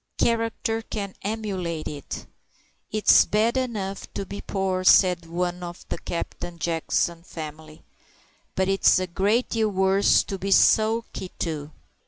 Character can emulate it. "It's bad enough to be poor," said one of the Captain Jackson family, "but it's a great deal worse to be sulky too."